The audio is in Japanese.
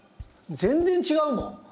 全然違うもん！